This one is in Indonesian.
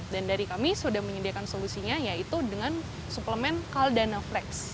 dan dari kami sudah menyediakan solusinya yaitu dengan suplemen caldana flex